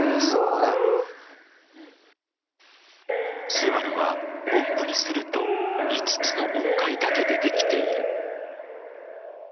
「昴」は音符にすると５つの音階だけでできている。